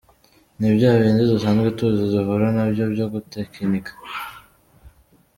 Nibyabindi dusanzwe tuzi, duhura nabyo byo gutekinika.